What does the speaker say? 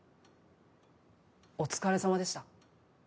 お疲れさまでした。